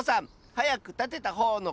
はやくたてたほうのかちだよ！